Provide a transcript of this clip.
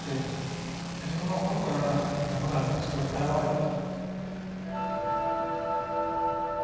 自分が思いもよらなかったものがそこに現れた時。